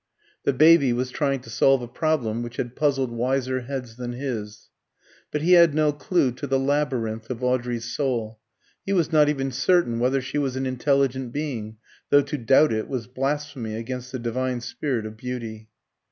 The baby was trying to solve a problem which had puzzled wiser heads than his. But he had no clue to the labyrinth of Audrey's soul; he was not even certain whether she was an intelligent being, though to doubt it was blasphemy against the divine spirit of beauty.